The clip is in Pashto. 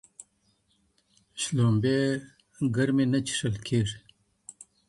شړومبې ګرمي نه څښل کېږي.